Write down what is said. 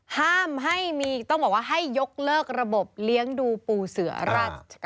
ห้ามให้มีต้องบอกว่าให้ยกเลิกระบบเลี้ยงดูปูเสือราชการ